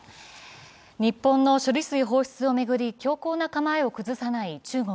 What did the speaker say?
日本の処理水放出を巡り強硬な構えを崩さない中国。